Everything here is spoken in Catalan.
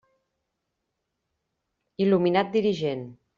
Il·luminat dirigent.